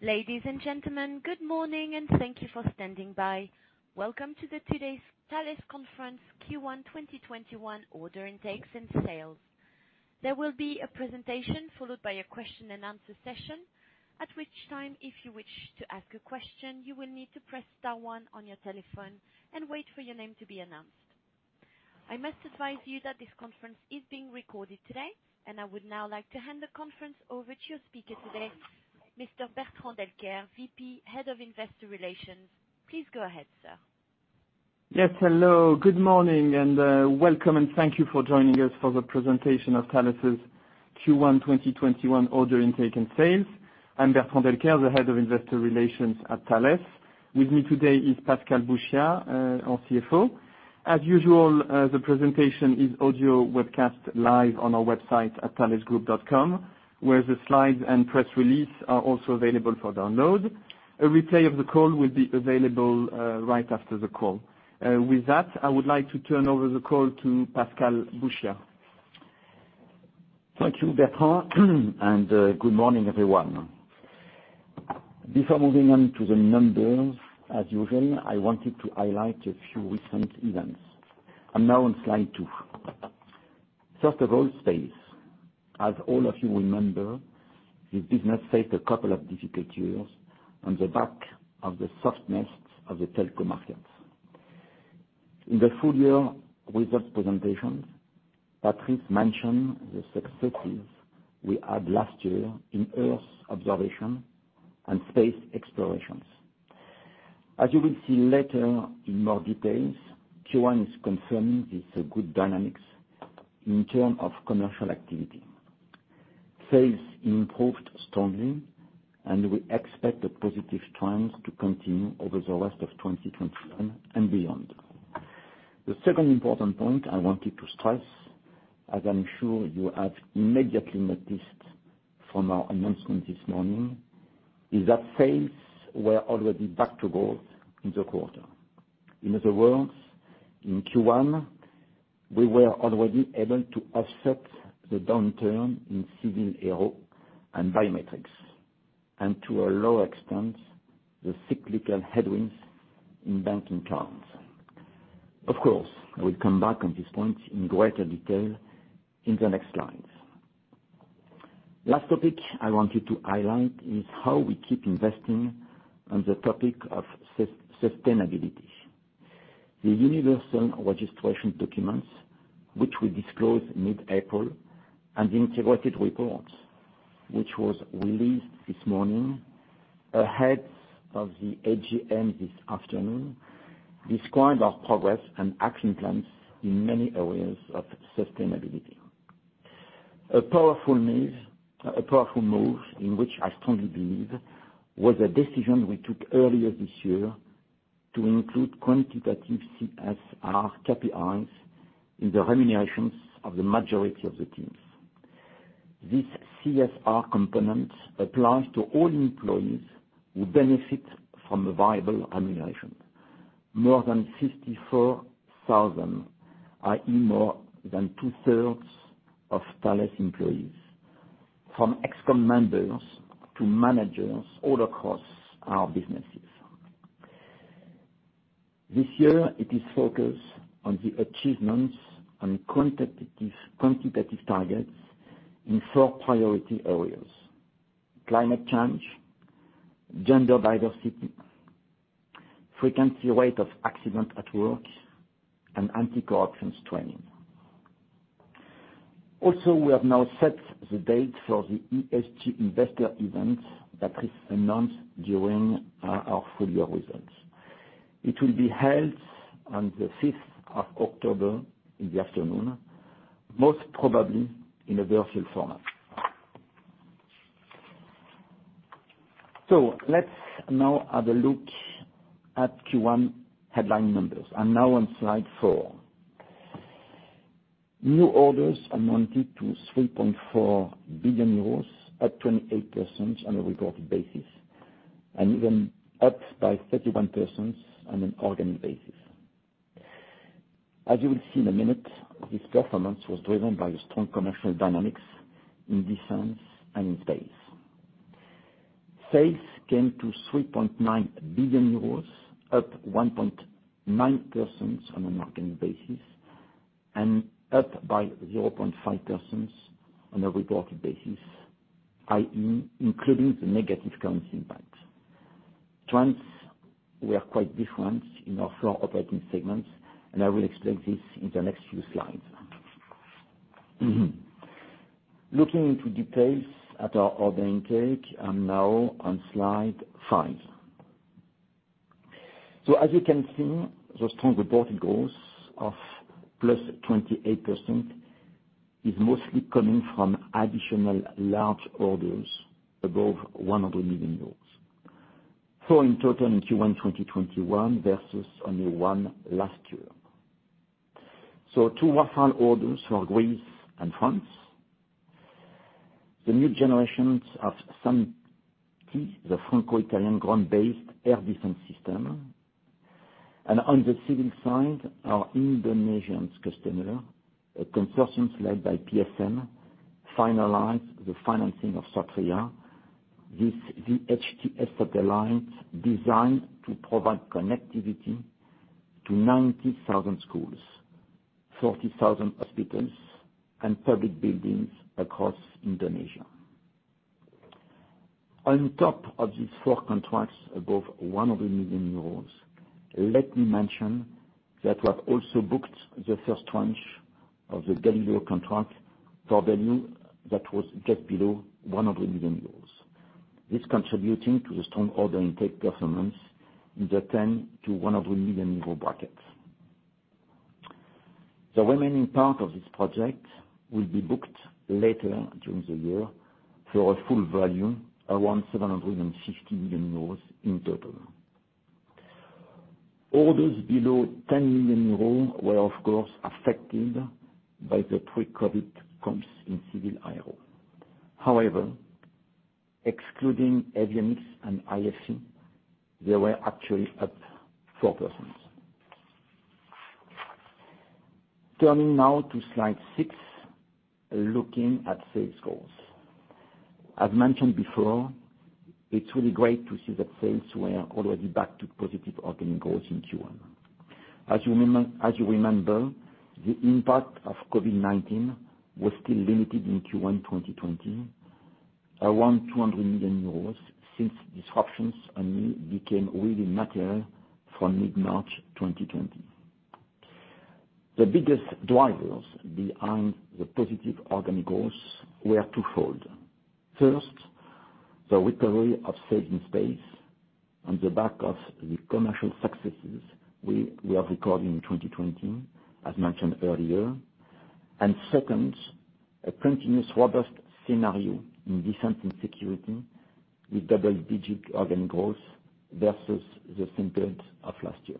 Ladies and gentlemen, good morning and thank you for standing by. Welcome to today's Thales Conference Q1 2021 order intakes and sales. There will be a presentation followed by a question-and-answer session. At which time, if you wish to ask a question, you will need to press star one on your telephone and wait for your name to be announced. I must advise you that this conference is being recorded today, and I would now like to hand the conference over to your speaker today, Mr. Bertrand Delcaire, VP Head of Investor Relations. Please go ahead, sir. Yes. Hello, good morning, and welcome, and thank you for joining us for the presentation of Thales's Q1 2021 order intake and sales. I'm Bertrand Delcaire, the Head of Investor Relations at Thales. With me today is Pascal Bouchiat, our CFO. As usual, the presentation is audio webcast live on our website at thalesgroup.com, where the slides and press release are also available for download. A replay of the call will be available right after the call. With that, I would like to turn over the call to Pascal Bouchiat. Thank you, Bertrand, good morning, everyone. Before moving on to the numbers, as usual, I wanted to highlight a few recent events. I'm now on slide two. First of all, space. As all of you remember, this business faced a couple of difficult years on the back of the softness of the telco markets. In the full-year results presentation, Patrice mentioned the successes we had last year in Earth observation and space explorations. As you will see later in more details, Q1 is confirming these good dynamics in terms of commercial activity. Sales improved strongly, and we expect a positive trend to continue over the rest of 2021 and beyond. The second important point I wanted to stress, as I'm sure you have immediately noticed from our announcement this morning, is that sales were already back to growth in the quarter. In other words, in Q1, we were already able to offset the downturn in civil aero and biometrics, and to a lower extent, the cyclical headwinds in banking cards. Of course, I will come back on this point in greater detail in the next slides. Last topic I wanted to highlight is how we keep investing on the topic of sustainability. The universal registration documents, which we disclosed mid-April, and the integrated reports, which was released this morning ahead of the AGM this afternoon, described our progress and action plans in many areas of sustainability. A powerful move in which I strongly believe was a decision we took earlier this year to include quantitative CSR KPIs in the remunerations of the majority of the teams. This CSR component applies to all employees who benefit from a variable remuneration. More than 54,000 are in more than 2/3 of Thales employees, from ExCom members to managers all across our businesses. This year, it is focused on the achievements and quantitative targets in four priority areas: climate change, gender diversity, frequency rate of accident at work, and anti-corruption training. We have now set the date for the ESG investor event that is announced during our full-year results. It will be held on the 5th of October in the afternoon, most probably in a virtual format. Let's now have a look at Q1 headline numbers. I'm now on slide four. New orders amounted to 3.4 billion euros, up 28% on a reported basis and even up by 31% on an organic basis. As you will see in a minute, this performance was driven by strong commercial dynamics in defense and in space. Sales came to 3.9 billion euros, up 1.9% on a market basis and up by 0.5% on a reported basis, i.e., including the negative currency impact. Trends were quite different in our four operating segments. I will explain this in the next few slides. Looking into details at our order intake. I'm now on slide five. As you can see, the strong reported growth of +28% is mostly coming from additional large orders above 100 million euros. Four in total in Q1 2021 versus only one last year. Two Rafale orders for Greece and France. The new generations of SAMP/T, the Franco-Italian ground-based air defense system. On the civil side, our Indonesian customer, a consortium led by PSN, finalized the financing of SATRIA. This is the HTS satellite designed to provide connectivity to 90,000 schools, 40,000 hospitals and public buildings across Indonesia. On top of these four contracts above 100 million euros, let me mention that we have also booked the first tranche of the Galileo contract for value that was just below 100 million euros. It's contributing to the strong order intake performance in the 10 million to 100 million euro brackets. The remaining part of this project will be booked later during the year for a full value around 750 million euros in total. Orders below 10 million euros were of course affected by the pre-COVID comps in civil aero. However, excluding avionics and IFC, they were actually up 4%. Turning now to slide six, looking at sales growth. As mentioned before, it's really great to see that sales were already back to positive organic growth in Q1. As you remember, the impact of COVID-19 was still limited in Q1 2020, around 200 million euros since disruptions only became really material from mid-March 2020. The biggest drivers behind the positive organic growth were two-fold. First, the recovery of sales in Space on the back of the commercial successes we are recording in 2020, as mentioned earlier. Second, a continuous robust scenario in Defense and Security with double-digit organic growth versus the same period of last year.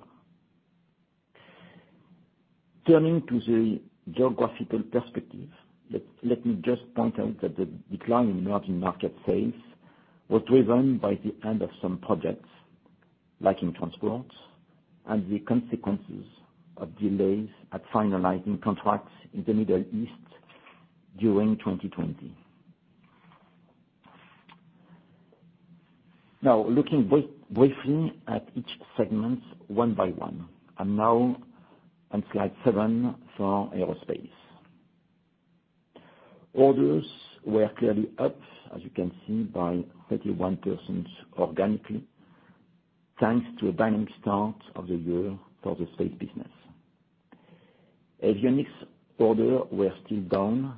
Turning to the geographical perspective, let me just point out that the decline in emerging market sales was driven by the end of some projects, like in transport, and the consequences of delays at finalizing contracts in the Middle East during 2020. Looking briefly at each segment one by one. On slide seven for Aerospace. Orders were clearly up, as you can see, by 31% organically, thanks to a dynamic start of the year for the Space business. Avionics order were still down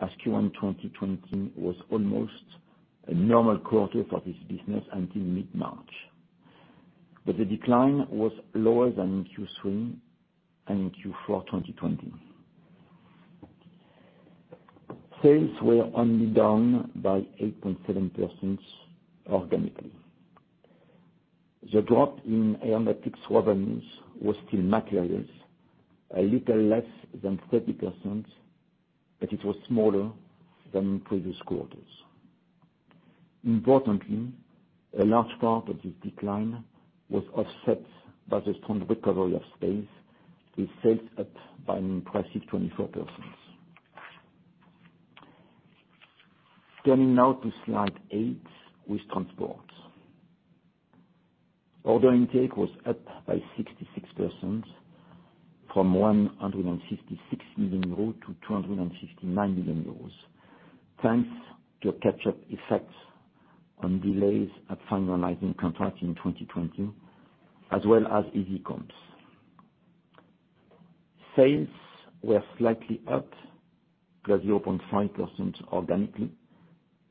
as Q1 2020 was almost a normal quarter for this business until mid-March. The decline was lower than in Q3 and in Q4 2020. Sales were only down by 8.7% organically. The drop in aeronautics revenues was still material, a little less than 30%, but it was smaller than previous quarters. Importantly, a large part of this decline was offset by the strong recovery of space, with sales up by an impressive 24%. Turning now to slide eight with Transport. Order intake was up by 66% from 166 million euros to 259 million euros, thanks to a catch-up effect on delays at finalizing contracts in 2020, as well as easy comps. Sales were slightly up +0.5% organically,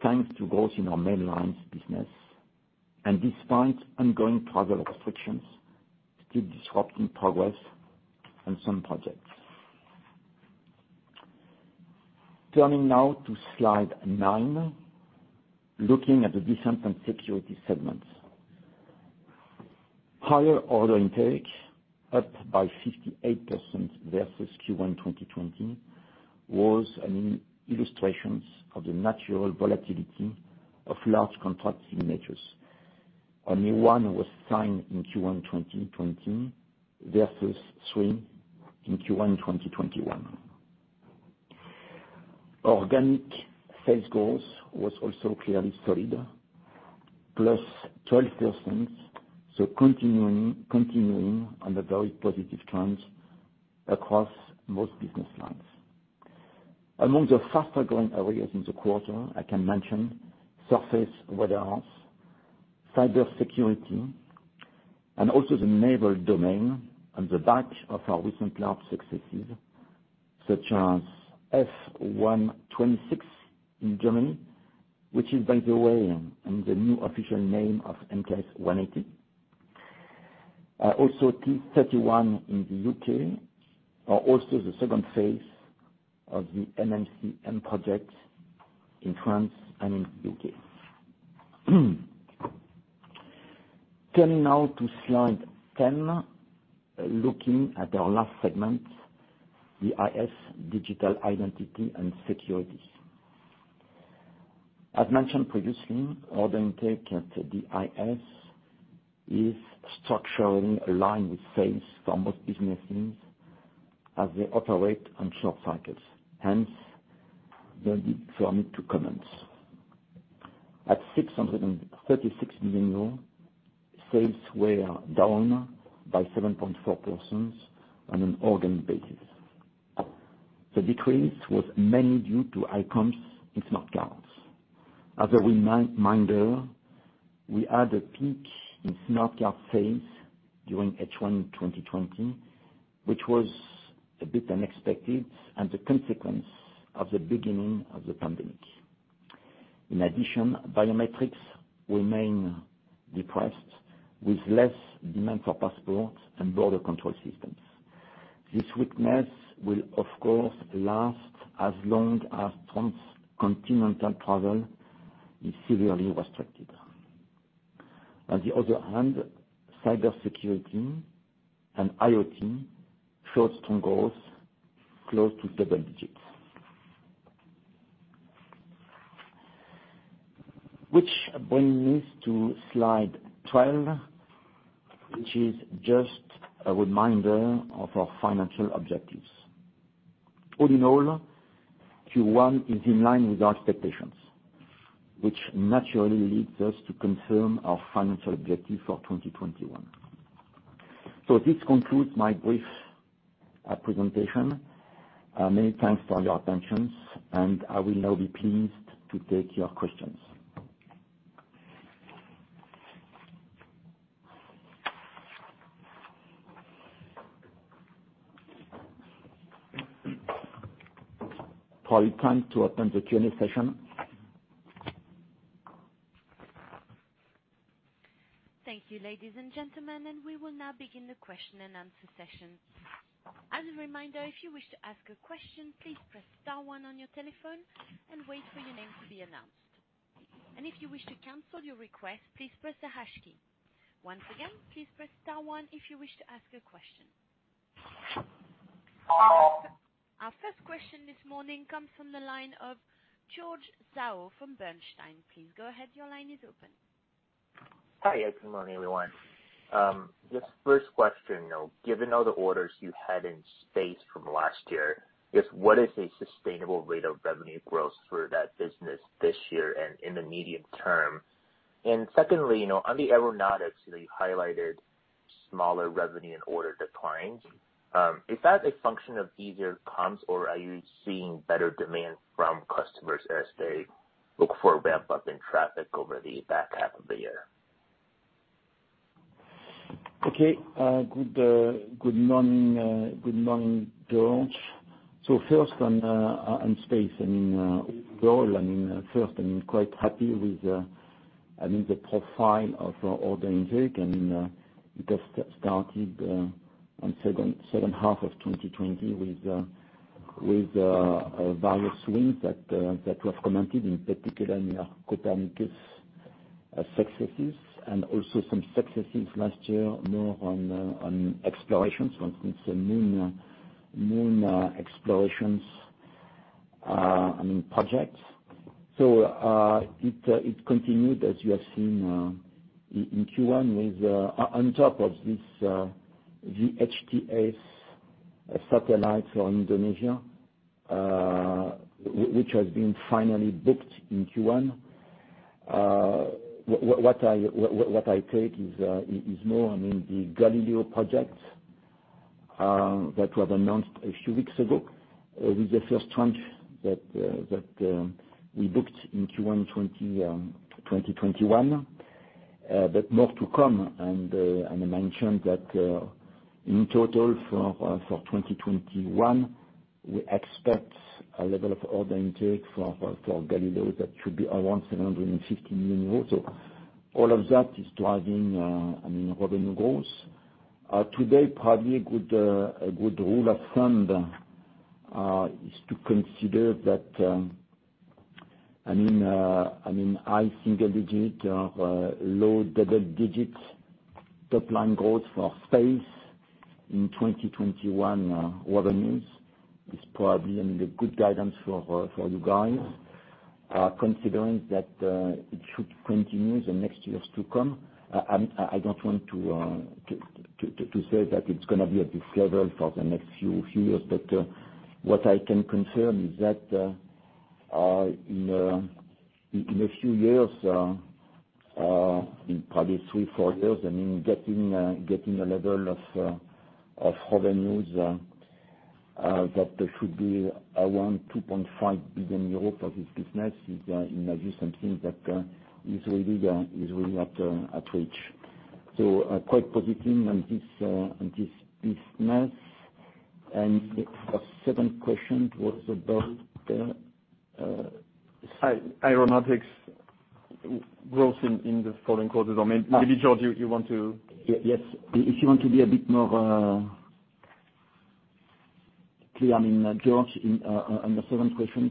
thanks to growth in our main lines business and despite ongoing travel restrictions still disrupting progress on some projects. Turning now to slide nine, looking at the Defense and Security segment. Higher order intake up by 58% versus Q1 2020 was an illustration of the natural volatility of large contract signatures. Only one was signed in Q1 2020 versus three in Q1 2021. Organic sales growth was also clearly solid, +12%. Continuing on the very positive trends across most business lines. Among the faster-growing areas in the quarter, I can mention surface warfare, cybersecurity, and also the naval domain on the back of our recent large successes, such as F126 in Germany, which is by the way, the new official name of MKS 180. Type 31 in the U.K., or also the second phase of the MMCM project in France and in the U.K. Turning now to slide 10, looking at our last segment, the DIS, Digital Identity and Security. As mentioned previously, order intake at the DIS is structurally aligned with sales for most businesses as they operate on short cycles. No need for me to comment. At 636 million euros, sales were down by 7.4% on an organic basis. The decrease was mainly due to high comps in smart cards. As a reminder, we had a peak in smart card sales during H1 2020, which was a bit unexpected and a consequence of the beginning of the pandemic. Biometrics remain depressed with less demand for passports and border control systems. This weakness will, of course, last as long as transcontinental travel is severely restricted. Cybersecurity and IoT showed strong growth, close to double digits. Which brings me to slide 12, which is just a reminder of our financial objectives. All in all, Q1 is in line with our expectations, which naturally leads us to confirm our financial objective for 2021. This concludes my brief presentation. Many thanks for your attention, and I will now be pleased to take your questions. Probably time to open the Q&A session. Thank you, ladies and gentlemen. We will now begin the question and answer session. As a reminder, if you wish to ask a question, please press star one on your telephone and wait for your name to be announced. And if you wish to cancel your request, please press the hash key. Once again, please press star one if you wish to ask a question. Our first question this morning comes from the line of George Zhao from Bernstein. Please go ahead. Your line is open. Hi. Good morning, everyone. Just first question. Given all the orders you had in Space from last year, what is a sustainable rate of revenue growth for that business this year and in the medium term? Secondly, on the Aeronautics, you highlighted smaller revenue and order declines. Is that a function of easier comps, or are you seeing better demand from customers as they look for a ramp-up in traffic over the back half of the year? Okay. Good morning, George. First, on Space. Overall, first, I'm quite happy with the profile of our order intake, and it has started on second half of 2020 with various wins that we have commented, in particular in the Copernicus successes and also some successes last year more on explorations, for instance, moon explorations projects. It continued, as you have seen in Q1, on top of this HTS satellite for Indonesia, which has been finally booked in Q1. What I take is more on the Galileo project that was announced a few weeks ago with the first tranche that we booked in Q1 2021. More to come, and I mentioned that in total for 2021, we expect a level of order intake for Galileo that should be around 750 million euros. All of that is driving revenue growth. Today, probably a good rule of thumb is to consider that high single digit or low double digit top-line growth for Space in 2021 revenues is probably a good guidance for you guys, considering that it should continue the next years to come. I don't want to say that it's going to be at this level for the next few years, but what I can confirm is that in a few years, in probably three, four years, getting a level of revenues that should be around 2.5 billion euro for this business is really something that is really at reach. Quite positive on this business. The second question was about. Aeronautics growth in the following quarters, or maybe, George, you want to? Yes. If you want to be a bit more clear, George, on the second question,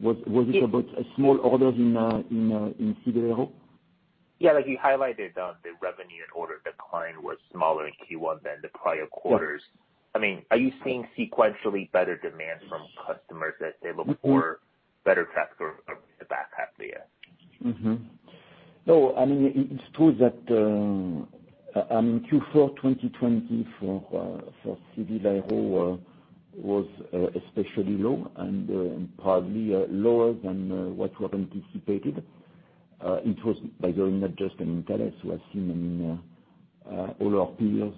was it about small orders in civil aero? Yeah, like you highlighted, the revenue and order decline was smaller in Q1 than the prior quarters. Yeah. Are you seeing sequentially better demand from customers that say before better capture the back half of the year? It's true that Q4 2020 for civil aero was especially low and probably lower than what we have anticipated. It was not just in Thales. We have seen in all our peers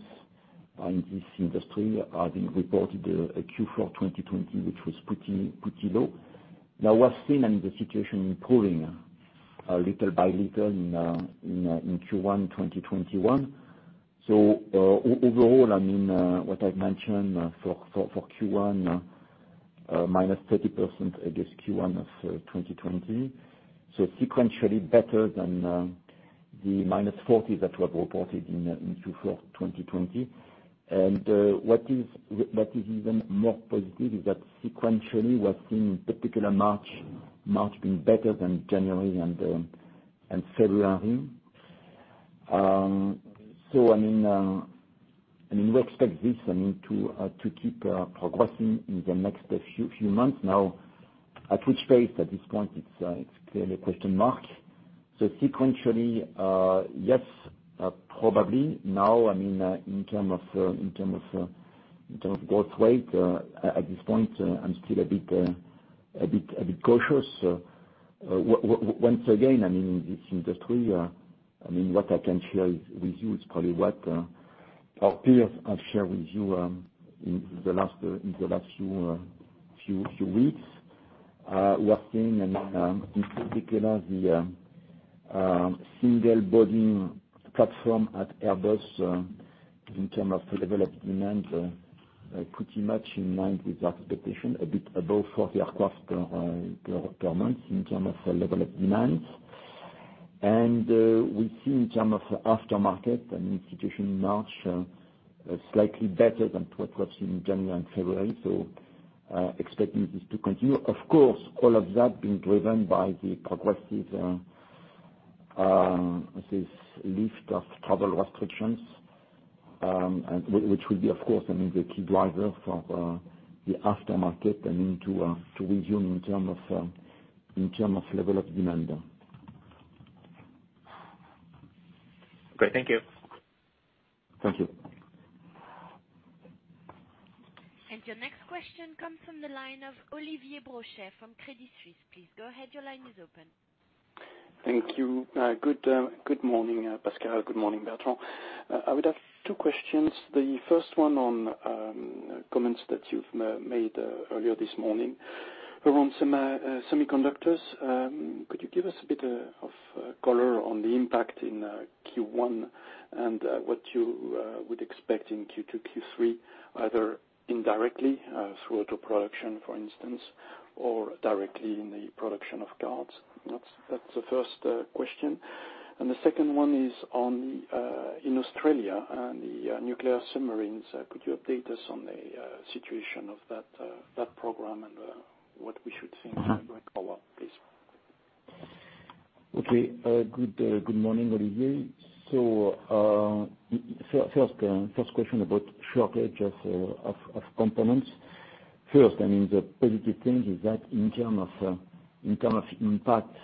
in this industry having reported a Q4 2020, which was pretty low. We are seeing the situation improving little by little in Q1 2021. Overall, what I've mentioned for Q1, -30% against Q1 of 2020. Sequentially better than the -40% that we have reported in Q4 2020. What is even more positive is that sequentially we are seeing particular March been better than January and February. We expect this to keep progressing in the next few months now. At which phase, at this point it's clearly a question mark. Sequentially, yes, probably now, in terms of growth rate, at this point, I'm still a bit cautious. Once again, in this industry, what I can share with you is probably what our peers have shared with you in the last few weeks. We are seeing in particular the single body platform at Airbus in terms of level of demand, pretty much in line with our expectation, a bit above 40 aircraft per month in terms of level of demand. We see in terms of aftermarket and institution in March, slightly better than what we have seen in January and February. Expecting this to continue. Of course, all of that being driven by the progressive lift of travel restrictions, which will be, of course, the key driver for the aftermarket to resume in terms of level of demand. Great. Thank you. Thank you. Your next question comes from the line of Olivier Brochet from Credit Suisse. Please go ahead. Your line is open. Thank you. Good morning, Pascal. Good morning, Bertrand. I would have two questions. The first one on comments that you've made earlier this morning around semiconductors. Could you give us a bit of color on the impact in Q1 and what you would expect in Q2, Q3, either indirectly through auto production, for instance, or directly in the production of cards? That's the first question. The second one is on in Australia and the nuclear submarines. Could you update us on the situation of that program and what we should see going forward, please? Good morning, Olivier. First question about shortage of components. First, the positive thing is that in terms of impact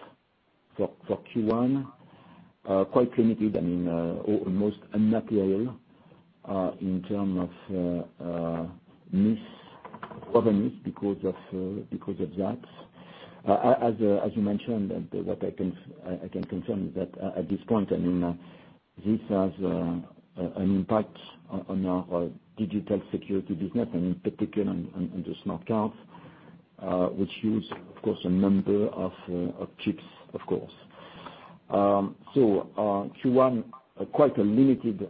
for Q1, quite limited. Almost unnoticeable in terms of miss, other miss because of that. As you mentioned, what I can confirm is that at this point, this has an impact on our digital security business, and in particular on the smart cards, which use, of course, a number of chips. Q1, quite a limited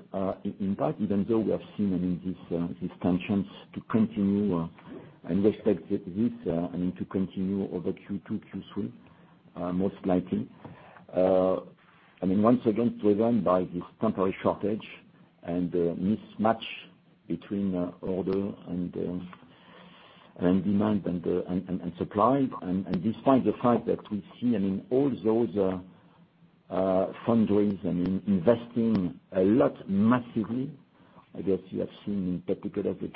impact, even though we have seen these tensions to continue and we expect that this to continue over Q2, Q3, most likely. Once again, driven by this temporary shortage and mismatch between order and demand and supply. Despite the fact that we see all those fundraising and investing a lot massively, I guess you have seen in particular the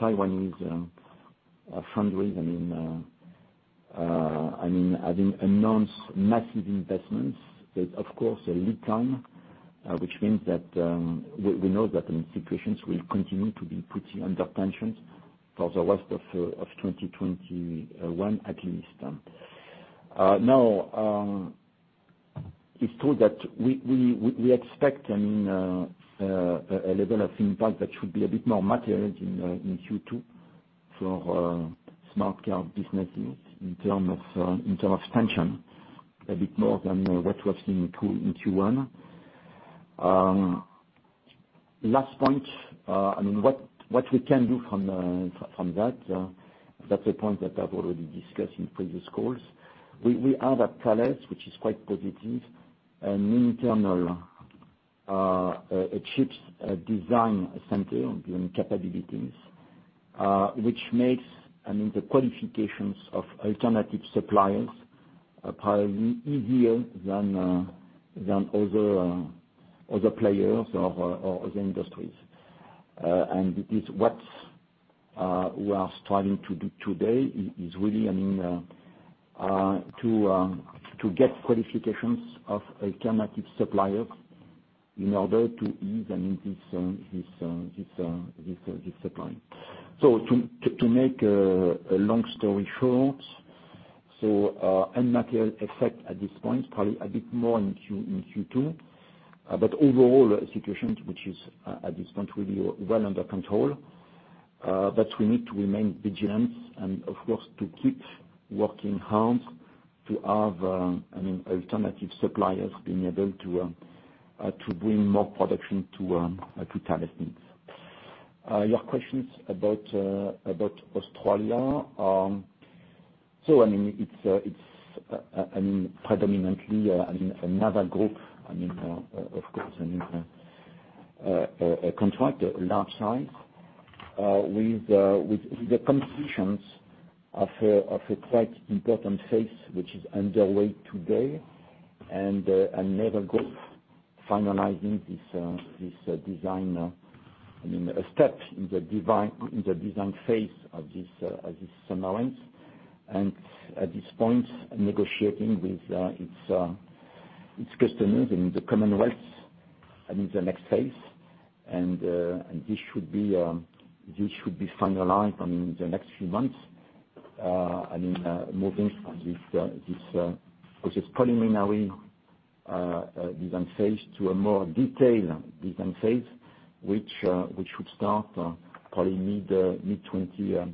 Taiwanese foundries, having announced massive investments that, of course, a lead time, which means that, we know that the situations will continue to be pretty under tension for the rest of 2021, at least. It's true that we expect a level of impact that should be a bit more material in Q2 for smart card businesses in terms of tension. A bit more than what we have seen in Q1. Last point, what we can do from that's a point that I've already discussed in previous calls. We are Thales, which is quite positive and internal chips design center and capabilities, which makes the qualifications of alternative suppliers probably easier than other players of other industries. What we are striving to do today is really to get qualifications of alternative suppliers in order to ease this supply. To make a long story short, and material effect at this point, probably a bit more in Q2. Overall situation, which is, at this point, really well under control, but we need to remain vigilant and of course, to keep working hard to have alternative suppliers being able to bring more production to Thales needs. Your questions about Australia. It's predominantly Naval Group, of course, a contractor, large size, with the completions of a quite important phase, which is underway today, and Naval Group finalizing this design. A step in the design phase of this submarine, and at this point, negotiating with its customers in the Commonwealth, in the next phase. This should be finalized in the next few months. Moving from this preliminary design phase to a more detailed design phase, which should start probably mid-2021.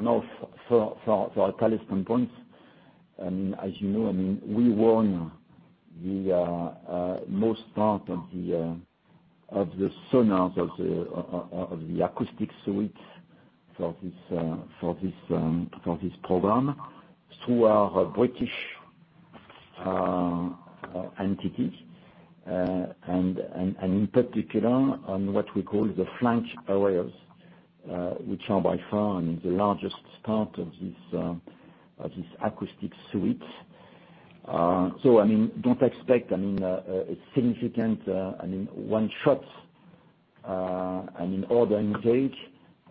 Now, for Thales' standpoint, as you know, we won the most part of the sonars of the acoustic suites for this program through our U.K. entity. In particular, on what we call the flank arrays, which are by far the largest part of this acoustic suite. Don't expect a significant one-shot order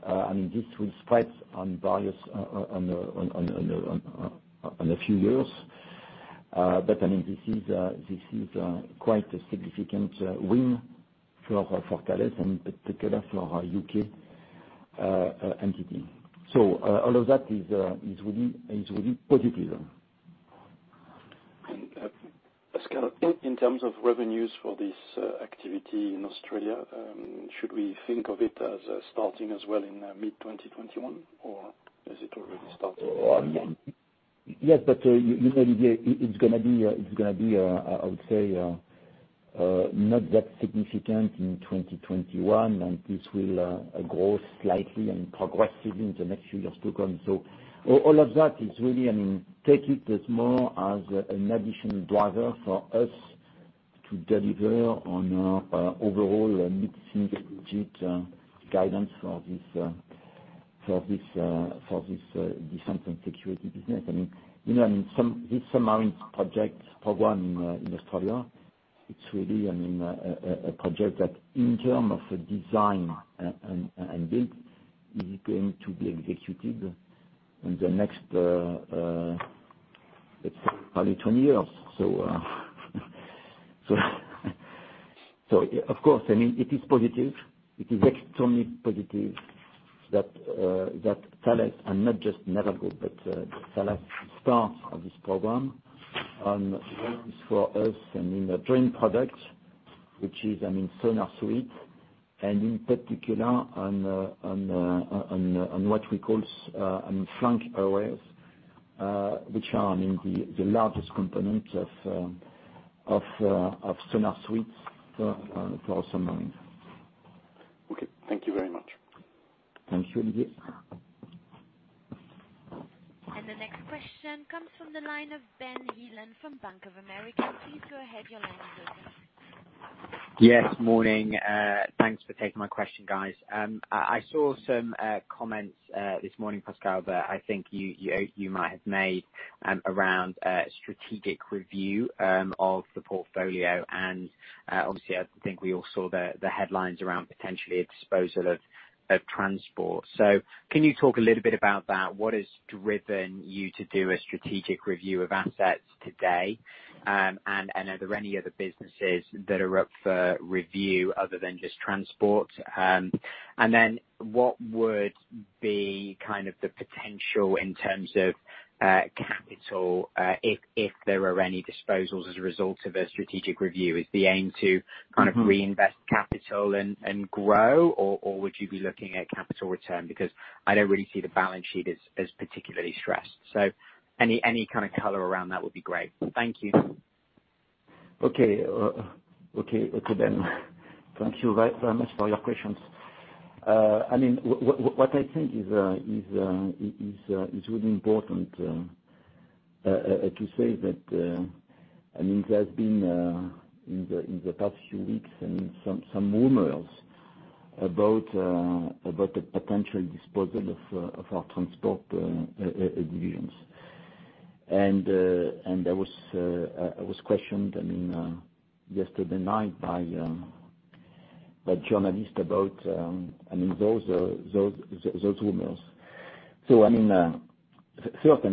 intake. This will spread on a few years. This is quite a significant win for Thales, and in particular, for our U.K. entity. All of that is really positive. Pascal, in terms of revenues for this activity in Australia, should we think of it as starting as well in mid-2021, or has it already started? It's going to be, I would say, not that significant in 2021, and this will grow slightly and progressively in the next few years to come. All of that is really, take it as more as an additional driver for us to deliver on our overall mid-single digit guidance for this defense and security business. This submarine project program in Australia, it's really a project that in terms of design and build, is going to be executed in the next, let's say probably 20 years. Of course, it is positive. It is extremely positive that Thales, and not just Naval Group, but Thales starts this program and works for us in a joint product, which is sonar suite, and in particular, on what we call flank arrays, which are the largest component of sonar suites for a submarine. Okay. Thank you very much. Thank you, Olivier. The next question comes from the line of Ben Heelan from Bank of America. Please go ahead, your line is open. Yes, morning. Thanks for taking my question, guys. I saw some comments this morning, Pascal, that I think you might have made around strategic review of the portfolio. Obviously, I think we all saw the headlines around potentially a disposal of transport. Can you talk a little bit about that? What has driven you to do a strategic review of assets today? Are there any other businesses that are up for review other than just transport? What would be kind of the potential in terms of capital if there are any disposals as a result of a strategic review? Is the aim to kind of reinvest capital and grow, or would you be looking at capital return? I don't really see the balance sheet as particularly stressed. Any kind of color around that would be great. Thank you. Okay. Thank you very much for your questions. What I think is really important to say is that there have been, in the past few weeks, some rumors about the potential disposal of our transport divisions. I was questioned yesterday night by a journalist about those rumors. First,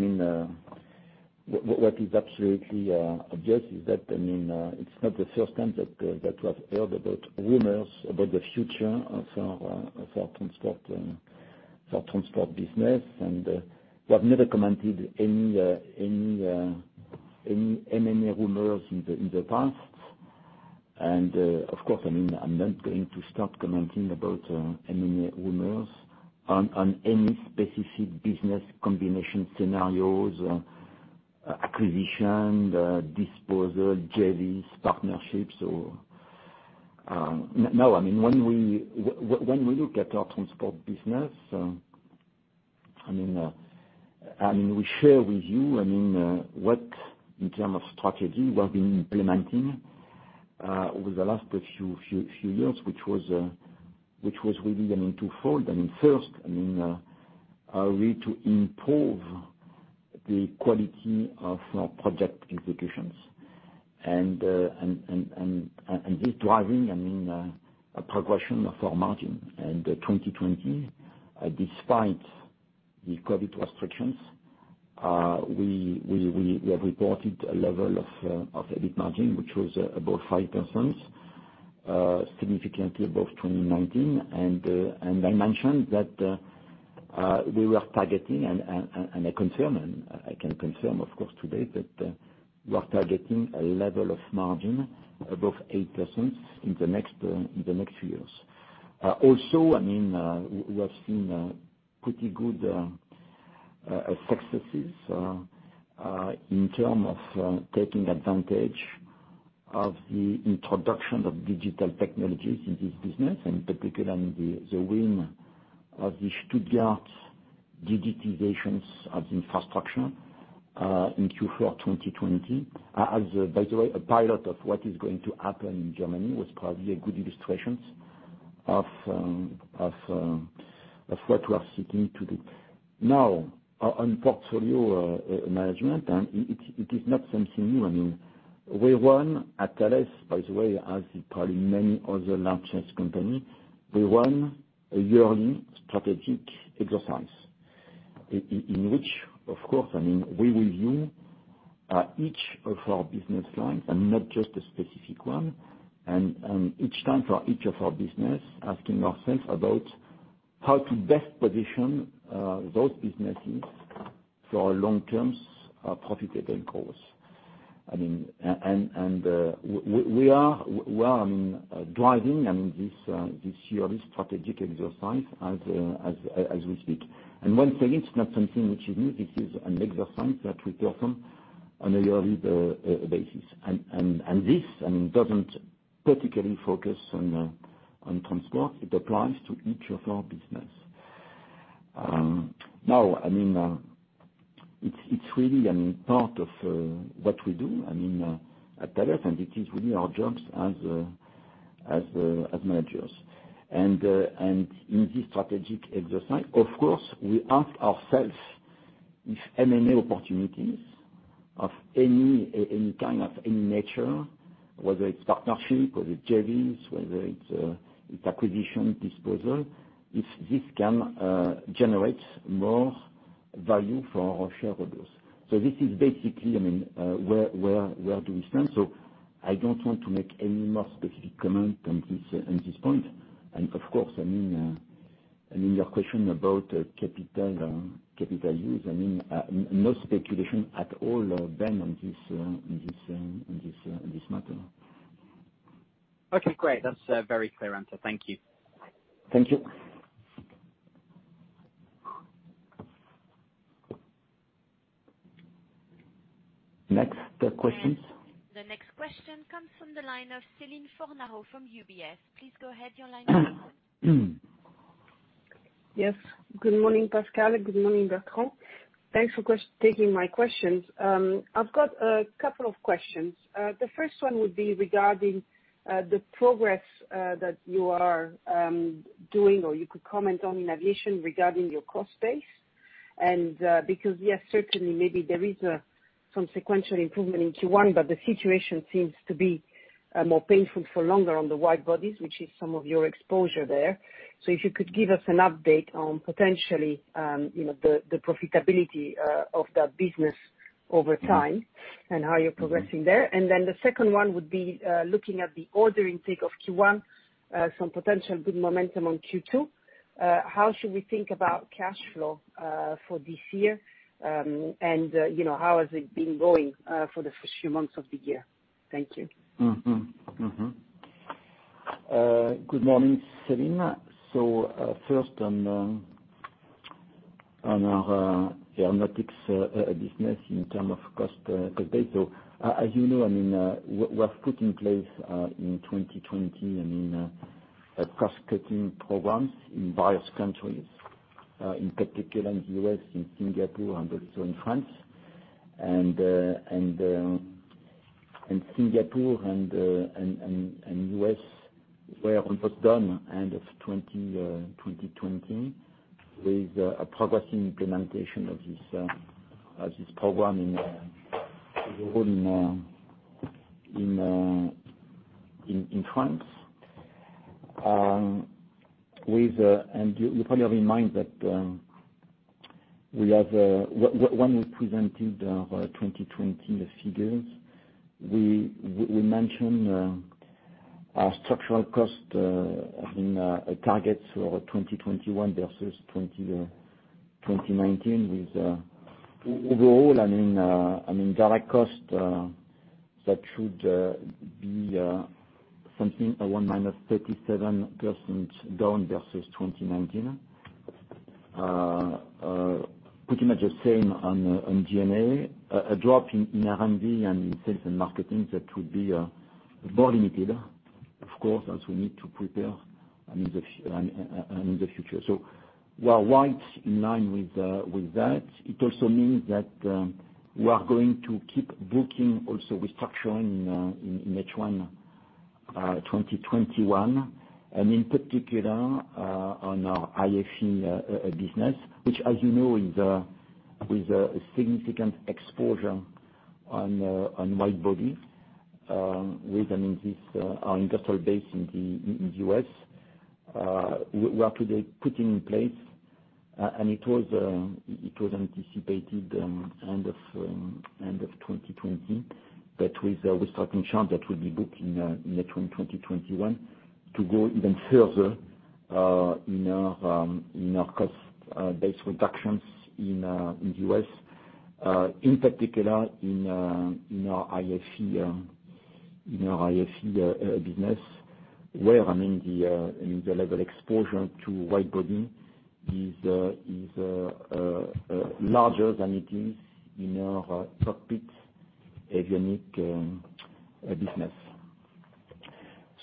what is absolutely obvious is that it's not the first time that we have heard rumors about the future of our transport business, and we have never commented on any rumors in the past. Of course, I'm not going to start commenting about any rumors on any specific business combination scenarios, acquisition, disposal, JVs, partnerships. When we look at our transport business, we share with you what, in terms of strategy, we have been implementing over the last few years, which was really two-fold. First, a way to improve the quality of our project executions and is driving a progression of our margin. 2020, despite the COVID restrictions, we have reported a level of EBIT margin which was above 5%, significantly above 2019. I mentioned that we were targeting, and I can confirm, of course, today, that we are targeting a level of margin above 8% in the next few years. Also, we have seen pretty good successes in terms of taking advantage of the introduction of digital technologies in this business, and particularly in the win of the Stuttgart digitizations of infrastructure in Q4 2020. By the way, a pilot of what is going to happen in Germany was probably a good illustration of what we are seeking to do. Now, on portfolio management, it is not something new. We run at Thales, by the way, as probably many other large companies, we run a yearly strategic exercise in which, of course, we review each of our business lines and not just a specific one. Each time for each of our business, asking ourselves about how to best position those businesses for our long-term profit driven course. We are driving this yearly strategic exercise as we speak. Once again, it's not something which is new. This is an exercise that we perform on a yearly basis. This doesn't particularly focus on transport. It applies to each of our business. It's really part of what we do at Thales, and it is really our jobs as managers. In this strategic exercise, of course, we ask ourselves if M&A opportunities of any kind, of any nature, whether it's partnership, whether it's JVs, whether it's acquisition, disposal, if this can generate more value for our shareholders. This is basically where do we stand. I don't want to make any more specific comment on this point. Of course, your question about capital use, no speculation at all, Ben, on this matter. Okay, great. That's a very clear answer. Thank you. Thank you. Next question. The next question comes from the line of Celine Fornaro from UBS. Please go ahead, your line is open. Yes. Good morning, Pascal. Good morning, Bertrand. Thanks for taking my questions. I've got a couple of questions. The first one would be regarding the progress that you are doing, or you could comment on in aviation regarding your cost base. Because yes certainly, maybe there is some sequential improvement in Q1, but the situation seems to be more painful for longer on the wide bodies, which is some of your exposure there. If you could give us an update on potentially the profitability of that business over time and how you're progressing there. The second one would be looking at the order intake of Q1, some potential good momentum on Q2. How should we think about cash flow for this year? How has it been going for the first few months of the year? Thank you. Good morning, Celine. First On our aeronautics business in terms of cost base. As you know, we have put in place in 2020, a cost-cutting programs in various countries. In particular in U.S., in Singapore, and also in France. Singapore and U.S. were almost done end of 2020 with a progressing implementation of this program in France. You probably have in mind that when we presented our 2020 figures, we mentioned our structural cost targets for 2021 versus 2019 with overall direct cost that should be something around -37% down versus 2019. Pretty much the same on G&A. A drop in R&D and in sales and marketing that will be more limited, of course, as we need to prepare in the future. We are right in line with that. It also means that we are going to keep booking also restructuring in H1 2021, and in particular, on our IFE business, which as you know is with a significant exposure on wide body with an industry industrial base in the U.S. It was anticipated end of 2020 that with a restructuring charge that will be booked in H1 2021, to go even further in our cost base reductions in U.S., in particular in our IFE business, where the level exposure to wide body is larger than it is in our cockpit avionic business.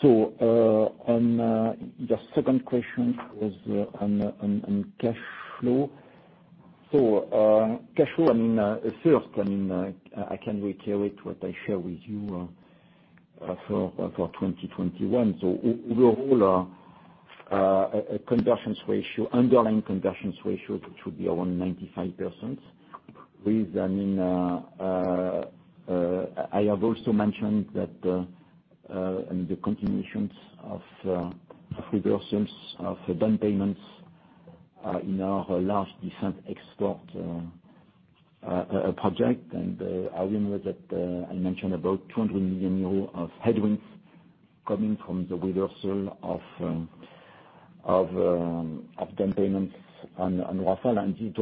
On your second question was on cash flow. Cash flow, first, I can reiterate what I share with you for 2021. Overall, underlying conversion ratio should be around 95%. I have also mentioned that the continuations of reversals of down payments in our large defense export project. I remember that I mentioned about 200 million euros of headwinds coming from the reversal of down payments on Rafale and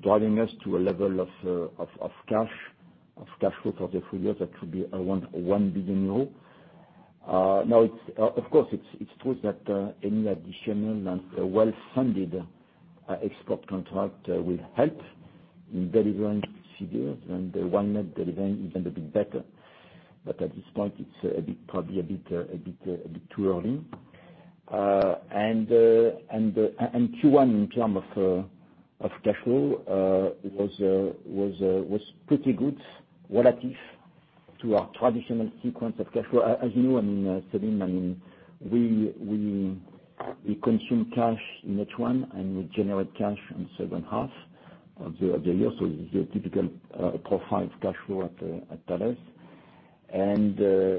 driving us to a level of cash flow for the full year that should be around 1 billion euro. Of course, it's true that any additional well-funded export contract will help in delivering figures and why not deliver even a bit better. At this point, it's probably a bit too early. Q1 in terms of cash flow was pretty good relative to our traditional sequence of cash flow. As you know, Celine, we consume cash in H1 and we generate cash in second half of the year. It's your typical profile of cash flow at Thales.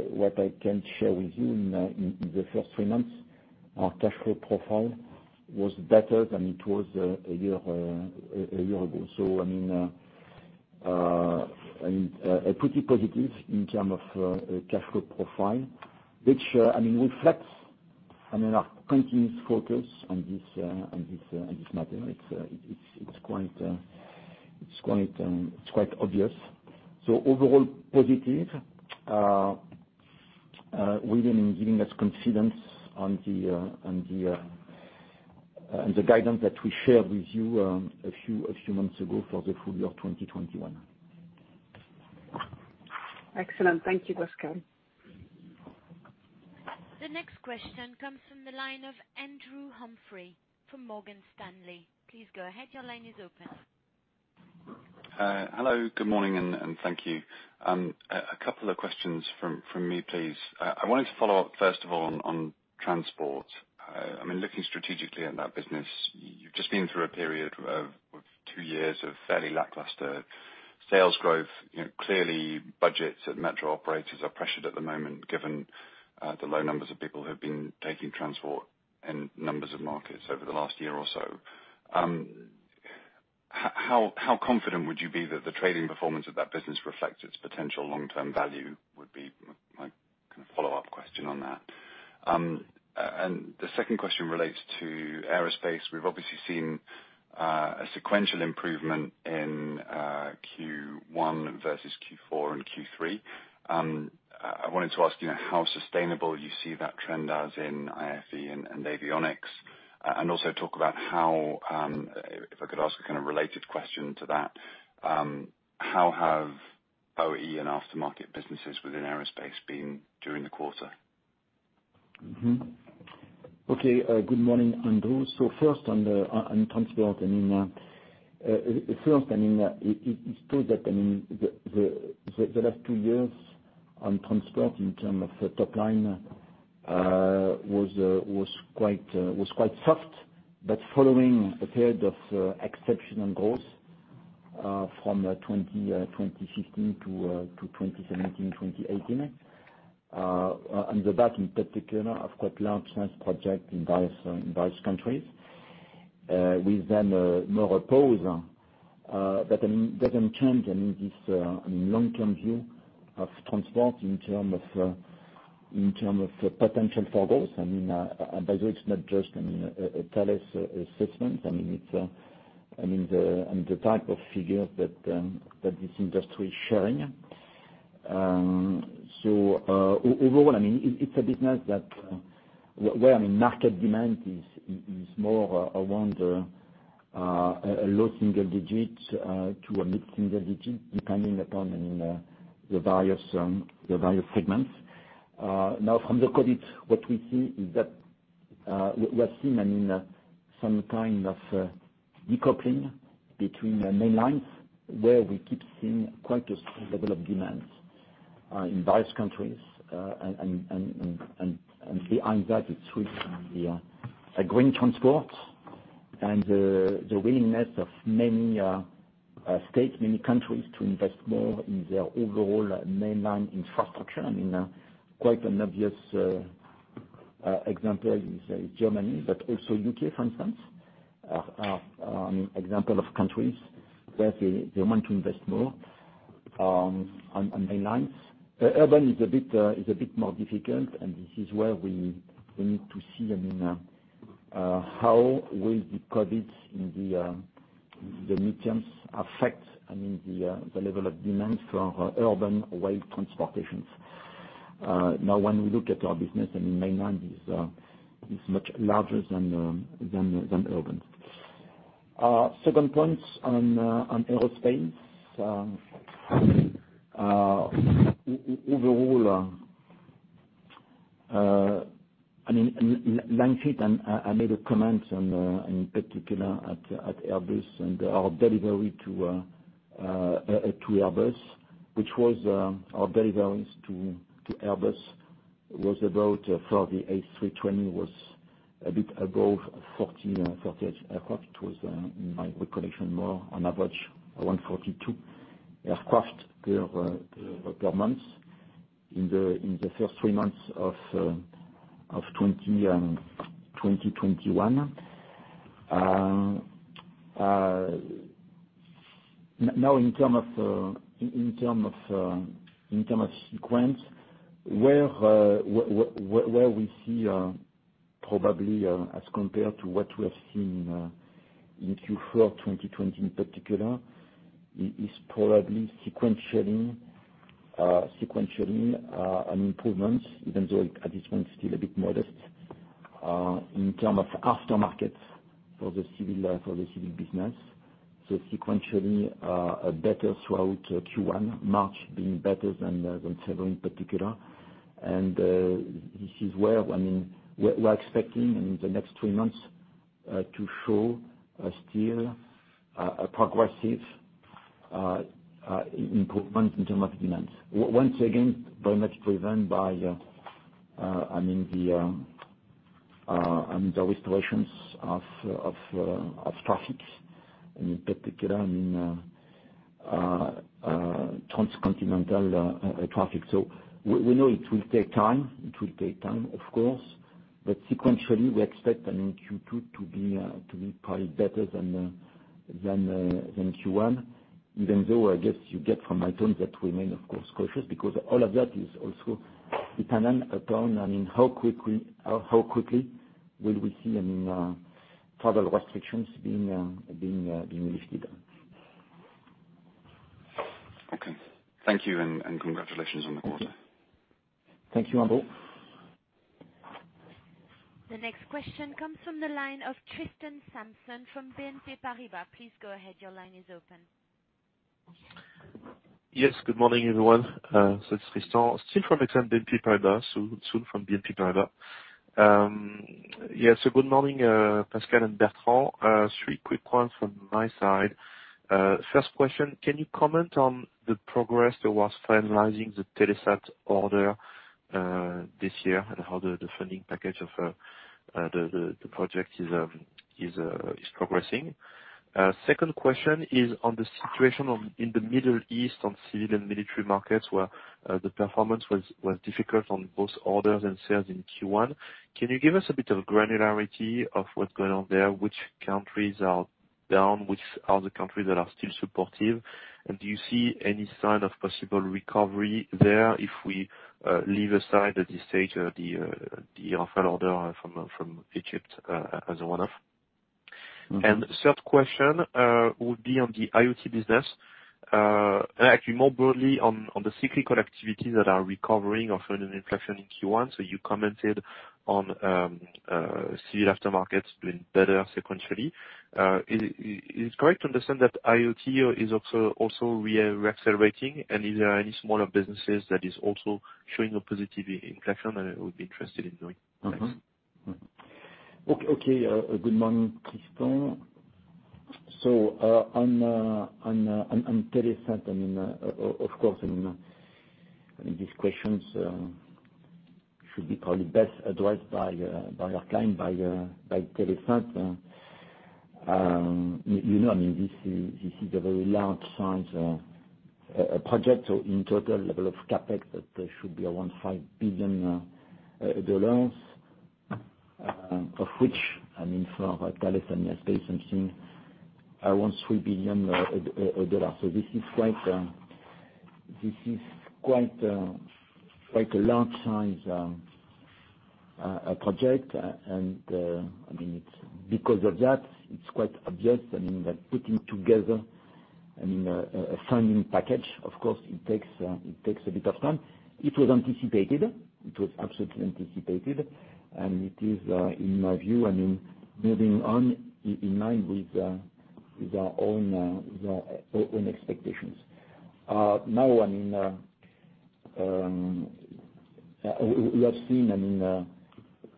What I can share with you in the first three months, our cash flow profile was better than it was a year ago. Pretty positive in term of cash flow profile, which reflects our continuous focus on this matter. It's quite obvious. Overall positive, really giving us confidence on the guidance that we shared with you a few months ago for the full year 2021. Excellent. Thank you, Pascal. The next question comes from the line of Andrew Humphrey from Morgan Stanley. Please go ahead. Your line is open. Hello. Good morning, thank you. A couple of questions from me, please. I wanted to follow up first of all on transport. Looking strategically at that business, you've just been through a period of two years of fairly lackluster sales growth. Clearly, budgets at metro operators are pressured at the moment, given the low numbers of people who have been taking transport in numbers of markets over the last year or so. How confident would you be that the trading performance of that business reflects its potential long-term value? Would be my kind of follow-up question on that. The second question relates to aerospace. We've obviously seen a sequential improvement in Q1 versus Q4 and Q3. I wanted to ask you how sustainable you see that trend as in IFE and avionics. Also, talk about how, if I could ask a kind of related question to that, how OE and aftermarket businesses within aerospace been during the quarter? Mm-hmm. Okay. Good morning, Andrew. First, on transport. First, it's true that the last two years on transport in terms of top line was quite soft, following a period of exceptional growth from 2015 to 2017, 2018. Under that, in particular, of quite large-size project in various countries with a more pause. That doesn't change this long-term view of transport in terms of potential for growth. By the way, it's not just Thales assessment. It's the type of figure that this industry is showing. Overall, it's a business that where market demand is more around a low single digit to a mid-single digit, depending upon the various segments. Now from the COVID, what we're seeing in some kind of decoupling between the main lines, where we keep seeing quite a level of demand in various countries. Behind that it's with the green transport and the willingness of many states, many countries to invest more in their overall main line infrastructure. Quite an obvious example is Germany, also U.K., for instance, are example of countries where they want to invest more on main lines. Urban is a bit more difficult, this is where we need to see how will the COVID in the mediums affect the level of demand for urban, away transportations. When we look at our business in main line is much larger than urban. Second point on aerospace. Overall, last week I made a comment on particular at Airbus and our delivery to Airbus, which was our delivery to Airbus was about for the A320 was a bit above 40 aircraft. It was, in my recollection, more on average 42 aircraft per month in the first three months of 2021. In terms of sequence, where we see probably as compared to what we have seen in Q4 2020 in particular, is probably sequentially an improvement, even though at this point still a bit modest. In terms of after-market for the civil business, sequentially better throughout Q1, March being better than February in particular. This is where we're expecting in the next three months to show still a progressive improvement in terms of demand. Once again, very much driven by the restorations of traffic, in particular transcontinental traffic. We know it will take time, of course. Sequentially, we expect Q2 to be probably better than Q1. Even though, I guess you get from items that remain, of course, cautious because all of that is also dependent upon how quickly will we see travel restrictions being lifted. Okay. Thank you. Congratulations on the quarter. Thank you, Andrew. The next question comes from the line of Tristan Sanson from BNP Paribas. Please go ahead. Your line is open. Yes, good morning, everyone. It's Tristan Sanson from BNP Paribas. Good morning, Pascal and Bertrand. Three quick points from my side. First question, can you comment on the progress towards finalizing the Telesat order this year and how the funding package of the project is progressing? Second question is on the situation in the Middle East on civilian military markets, where the performance was difficult on both orders and sales in Q1. Can you give us a bit of granularity of what's going on there? Which countries are down? Which are the countries that are still supportive? Do you see any sign of possible recovery there if we leave aside at this stage the Rafale order from Egypt as a one-off? Third question will be on the IoT business, actually more broadly on the cyclical activities that are recovering or showing an inflection in Q1. You commented on civil aftermarkets doing better sequentially. Is it correct to understand that IoT is also re-accelerating? If there are any smaller businesses that is also showing a positive inflection, I would be interested in knowing. Thanks. Okay. Good morning, Tristan. On Telesat, of course, these questions should be probably best addressed by our client, by Telesat. This is a very large-size project. In total level of CapEx, that should be around EUR 5 billion, of which, I mean, for Thales Alenia Space, I'm seeing around EUR 3 billion. This is quite a large-size project. It's because of that, it's quite obvious, I mean, that putting together a funding package, of course, it takes a bit of time. It was anticipated. It was absolutely anticipated, it is, in my view, I mean, moving on in line with our own expectations. Now, we have seen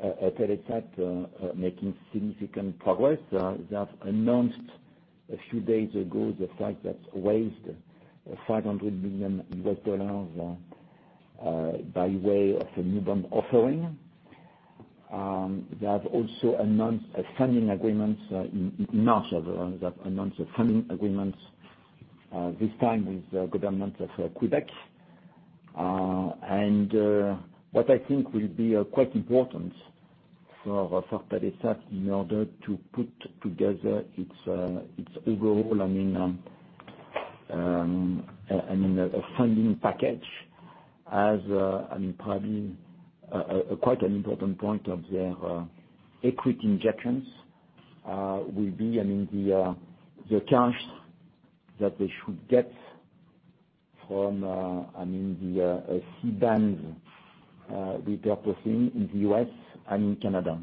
Telesat making significant progress. They have announced a few days ago the fact that raised $500 million U.S. dollars by way of a new bond offering. They have announced a funding agreement, this time with the government of Quebec. What I think will be quite important for Telesat in order to put together its overall funding package as probably quite an important point of their equity injections will be the cash that they should get from the C-band repurposing in the U.S. and in Canada,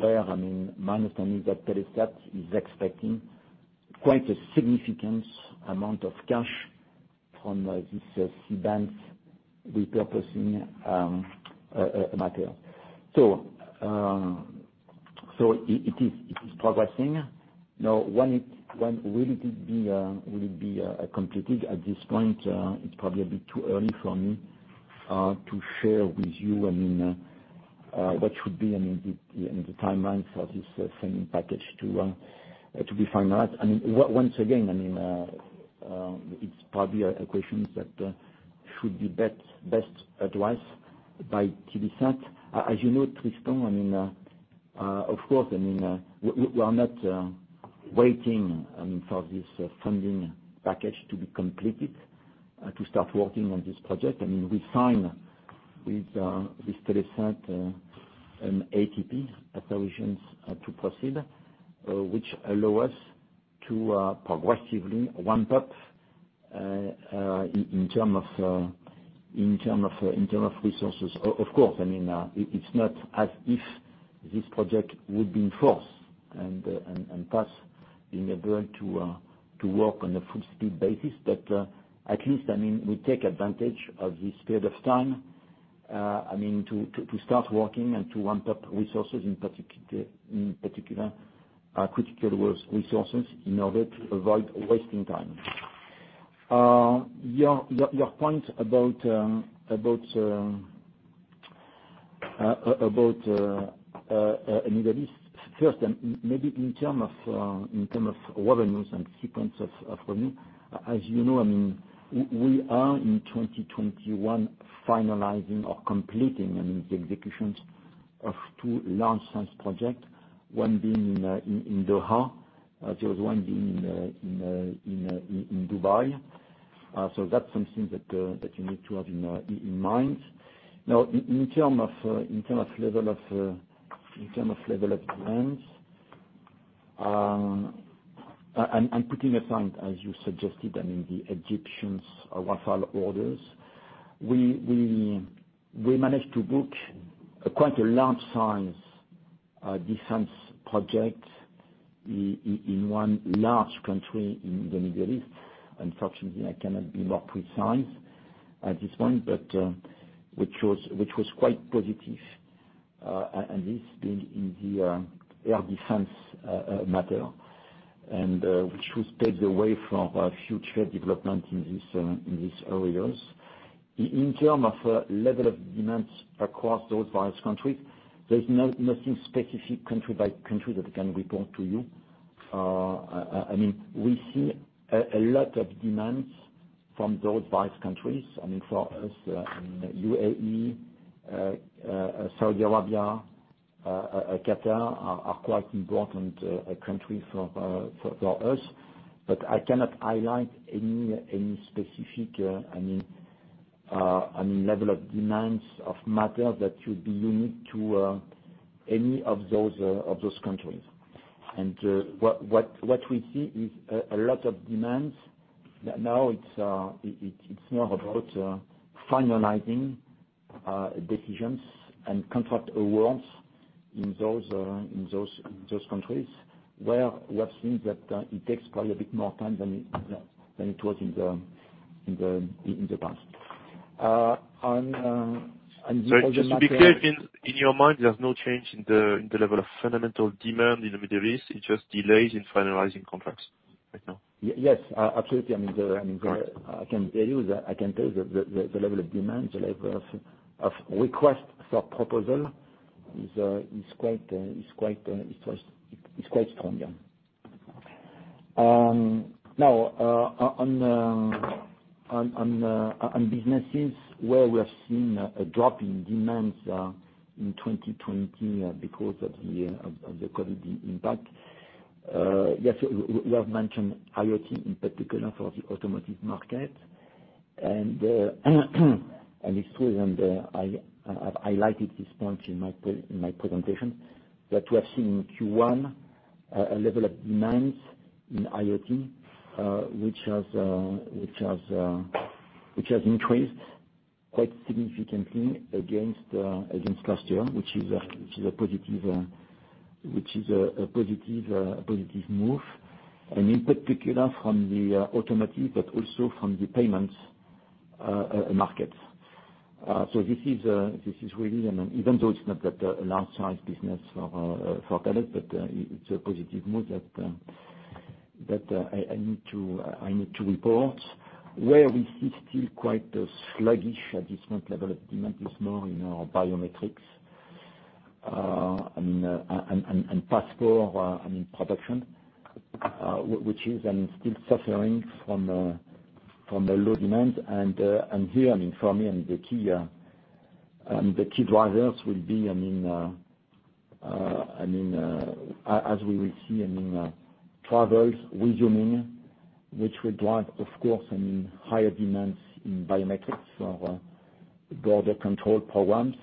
where my understanding is that Telesat is expecting quite a significant amount of cash from this C-band repurposing matter. It is progressing. When will it be completed? At this point, it's probably a bit too early for me to share with you what should be the timeline for this funding package to be finalized. Once again, it's probably a question that should be best addressed by Telesat. As you know, Tristan, of course, we are not waiting for this funding package to be completed to start working on this project. We sign with Telesat an ATP, Authorization to Proceed, which allow us to progressively ramp up in term of resources. Of course, it's not as if this project would be in force and thus being able to work on a full speed basis. At least, we take advantage of this period of time to start working and to ramp up resources, in particular, critical resources, in order to avoid wasting time. Your point about Middle East, first, maybe in term of revenues and sequence of revenue. As you know, we are in 2021 finalizing or completing the executions of two large-size project, one being in Doha, the other one being in Dubai. That's something that you need to have in mind. Now, in terms of level of demands, I'm putting aside, as you suggested, the Egyptian Rafale orders. We managed to book quite a large-size defense project in one large country in the Middle East. Unfortunately, I cannot be more precise at this point, but which was quite positive, and this being in the air defense matter, and which should pave the way for future development in these areas. In terms of level of demands across those various countries, there's nothing specific country by country that I can report to you. We see a lot of demands from those various countries. I mean, for us, UAE, Saudi Arabia, Qatar are quite important countries for us. I cannot highlight any specific level of demands of matter that should be unique to any of those countries. What we see is a lot of demands. Now it's more about finalizing decisions and contract awards in those countries, where we have seen that it takes probably a bit more time than it was in the past. Sorry, just to be clear, in your mind, there's no change in the level of fundamental demand in the Middle East, it's just delays in finalizing contracts right now? Yes. Absolutely. All right. I can tell you that the level of demand, the level of request for proposal is quite strong. On businesses where we have seen a drop in demand in 2020 because of the COVID impact. You have mentioned IoT in particular for the automotive market. It's true, and I highlighted this point in my presentation, that we have seen in Q1 a level of demand in IoT, which has increased quite significantly against last year, which is a positive move. In particular from the automotive, but also from the payments markets. This is really, even though it's not that large-size business for Thales, but it's a positive move that I need to report. Where we see still quite a sluggish at this point level of demand is more in our biometrics, and passport and production, which is still suffering from a low demand. Here, for me, the key drivers will be as we will see, travels resuming, which will drive, of course, higher demands in biometrics for border control programs.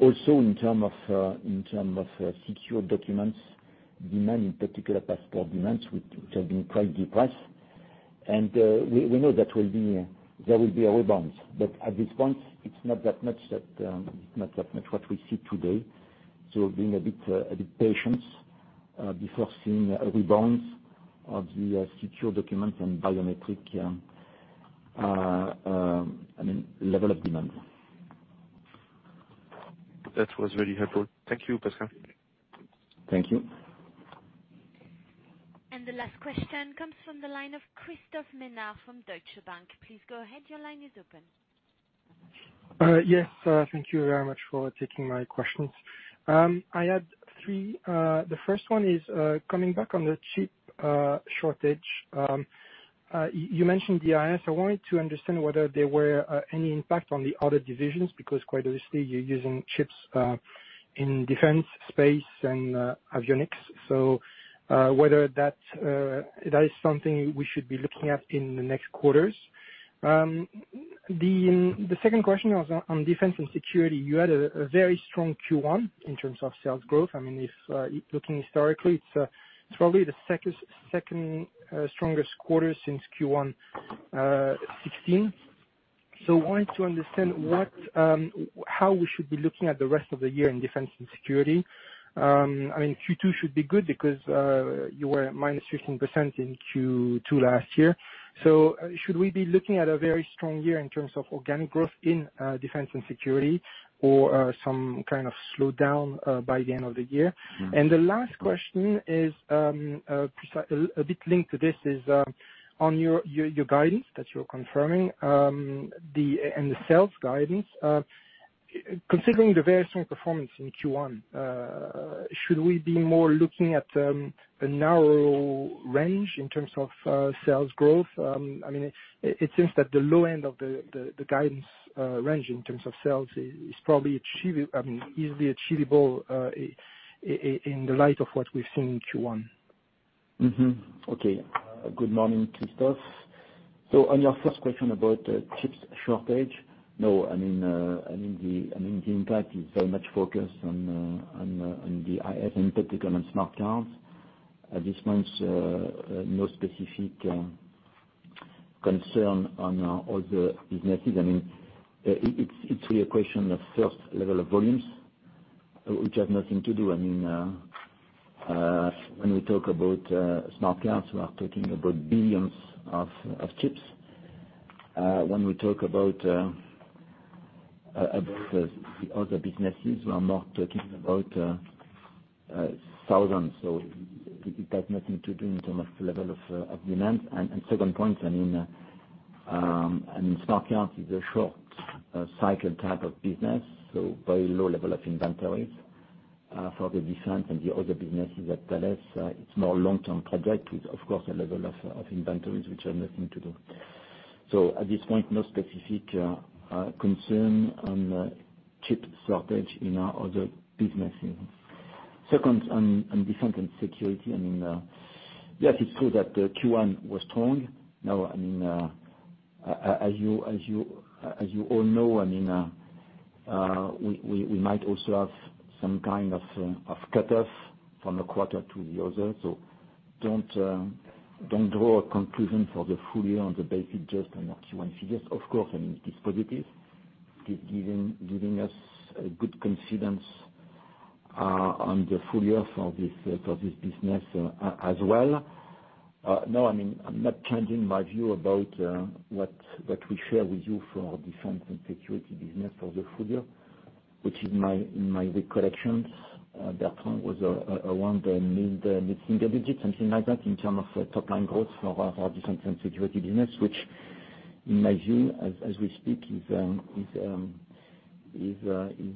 Also in terms of secure documents demand, in particular passport demands, which have been quite depressed. We know that there will be a rebound, but at this point, it's not that much what we see today. Being a bit patient before seeing a rebound of the secure documents and biometric level of demand. That was very helpful. Thank you, Pascal. Thank you. The last question comes from the line of Christophe Menard from Deutsche Bank. Please go ahead. Your line is open. Yes. Thank you very much for taking my questions. I had three. The first one is coming back on the chip shortage. You mentioned DIS. I wanted to understand whether there were any impact on the other divisions, because quite obviously you're using chips in defense, space, and avionics. Whether that is something we should be looking at in the next quarters. The second question was on defense and security. You had a very strong Q1 in terms of sales growth. If looking historically, it's probably the second strongest quarter since Q1 2016. Wanted to understand how we should be looking at the rest of the year in defense and security. Q2 should be good because you were at -15% in Q2 last year. Should we be looking at a very strong year in terms of organic growth in defense and security, or some kind of slowdown by the end of the year? The last question is a bit linked to this, is on your guidance that you're confirming, and the sales guidance. Considering the very strong performance in Q1, should we be more looking at a narrow range in terms of sales growth? It seems that the low end of the guidance range in terms of sales is easily achievable in the light of what we've seen in Q1. Mm-hmm. Okay. Good morning, Christophe. On your first question about chip shortage, no, the impact is very much focused on the DIS, particularly on smart cards. At this point, no specific concern on all the businesses. It's really a question of first level of volumes, which have nothing to do. When we talk about smart cards, we are talking about billions of chips. When we talk about the other businesses, we are not talking about thousands. It has nothing to do in terms of level of demand. Second point, smart card is a short cycle type of business, very low level of inventories. For the defense and the other businesses at Thales, it's more long-term project with, of course, a level of inventories, which have nothing to do. At this point, no specific concern on chip shortage in our other businesses. Second, on defense and security. Yes, it's true that Q1 was strong. As you all know, we might also have some kind of cutoff from a quarter to the other. Don't draw a conclusion for the full year on the basis just on our Q1 figures. Of course, it's positive, giving us a good confidence on the full year for this business as well. I'm not changing my view about what we share with you for our defense and security business for the full year, which is, in my recollections, Bertrand was around the mid-single digits, something like that, in terms of top-line growth for our defense and security business. Which in my view, as we speak, is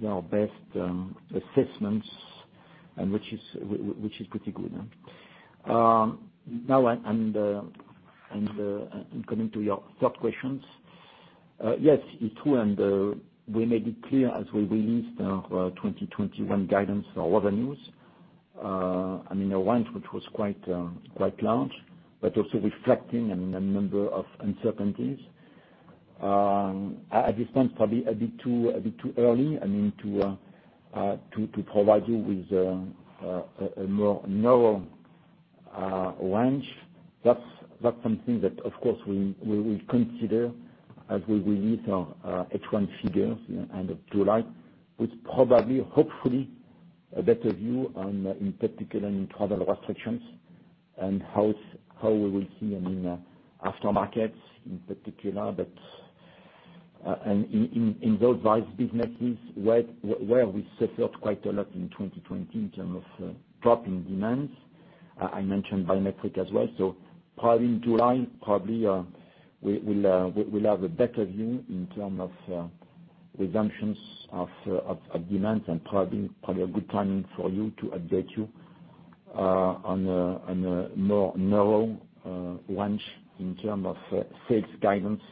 our best assessments and which is pretty good. Coming to your third question. Yes, it's true, we made it clear as we released our 2021 guidance, our revenues. A range which was quite large, but also reflecting a number of uncertainties. At this point, probably a bit too early to provide you with a narrower range. That's something that of course, we will consider as we release our H1 figures end of July with probably, hopefully, a better view on, in particular, on travel restrictions and how we will see aftermarkets in particular. In those civil businesses where we suffered quite a lot in 2020 in terms of drop in demands, I mentioned biometric as well. Probably in July, we'll have a better view in term of resumptions of demands and probably a good timing for you to update you on a more narrow range in term of sales guidance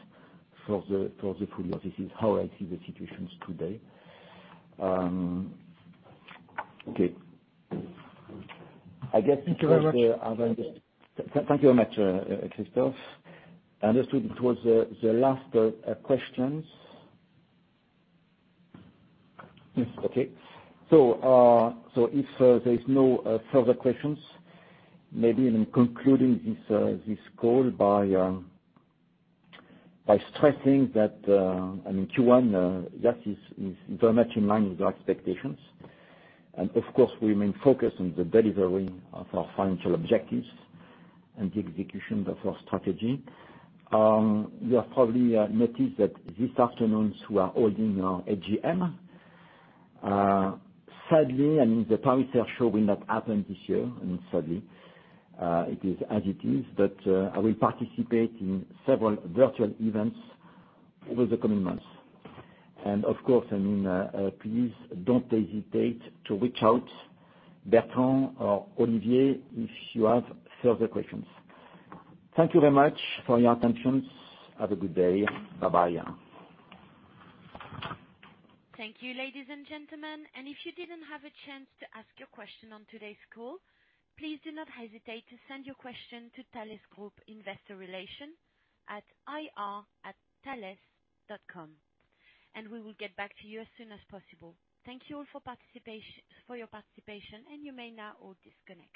for the full year. This is how I see the situations today. Okay. Thank you very much. Thank you very much, Christophe. I understood it was the last questions. Yes, okay. If there is no further questions, maybe in concluding this call by stressing that Q1, yes, is very much in line with our expectations. Of course, we remain focused on the delivery of our financial objectives and the execution of our strategy. You have probably noticed that this afternoon we are holding our AGM. Sadly, the Paris Air Show will not happen this year, and sadly, it is as it is. I will participate in several virtual events over the coming months. Of course, please don't hesitate to reach out, Bertrand or Olivier, if you have further questions. Thank you very much for your attention. Have a good day. Bye-bye. Thank you, ladies and gentlemen. If you didn't have a chance to ask your question on today's call, please do not hesitate to send your question to Thales Group Investor Relations at ir@thalesgroup.com, and we will get back to you as soon as possible. Thank you all for your participation, and you may now all disconnect.